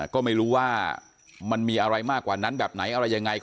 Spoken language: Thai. ก็ไม่รู้ว่ามันมีอะไรมากกว่านั้นแบบไหนอะไรยังไง